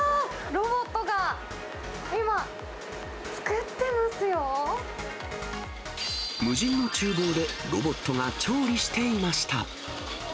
ロボットが今、作って無人のちゅう房でロボットが調理していました。